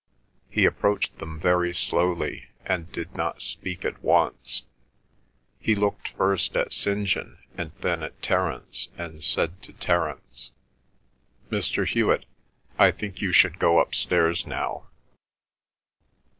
He approached them very slowly, and did not speak at once. He looked first at St. John and then at Terence, and said to Terence, "Mr. Hewet, I think you should go upstairs now."